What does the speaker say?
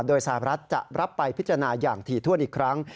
โดยสหรัฐจะรับไปพิจารณาอย่างถี่ถ้วนอีกครั้ง